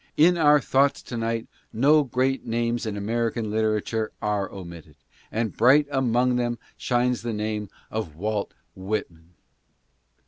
In our thoughts to night no great names in American literature are omitted, and bright among them shines the name of Wait Whitman.